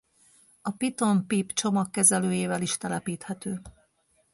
A Python pip csomagkezelőjével is telepíthető.